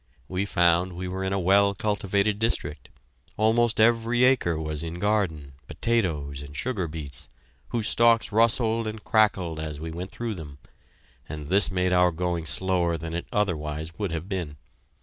We found we were in a well cultivated district; almost every acre was in garden, potatoes and sugar beets, whose stalks rustled and crackled as we went through them, and this made our going slower than it otherwise would have been.